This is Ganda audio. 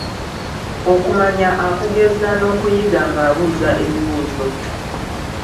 Okumanya akugeza n'okuyiga ng'abuuza ebibuuzo.